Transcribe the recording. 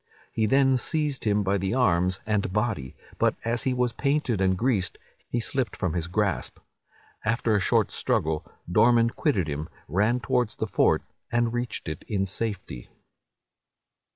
He then seized him by the arms and body, but, as he was painted and greased, he slipped from his grasp. After a short struggle, Dorman quitted him, ran towards the fort, and reached it in safety.